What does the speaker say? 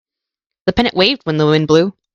The pennant waved when the wind blew.